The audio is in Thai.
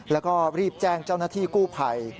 แล้วก็รีบแจ้งเจ้าหน้าที่กู้ภัย